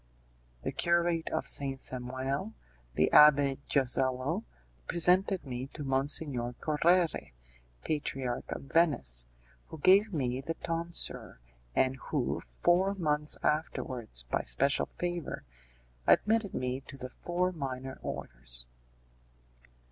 The curate of Saint Samuel, the Abbé Josello, presented me to Monsignor Correre, Patriarch of Venice, who gave me the tonsure, and who, four months afterwards, by special favour, admitted me to the four minor orders.